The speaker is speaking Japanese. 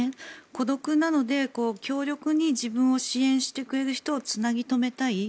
孤独なので強力に自分を支援してくれる人をつなぎ留めたい。